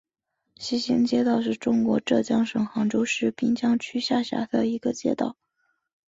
西兴街道是中国浙江省杭州市滨江区下辖的一个街道。